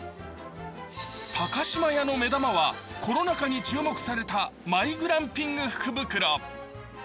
高島屋の目玉はコロナ禍に注目されたマイグランピング福袋。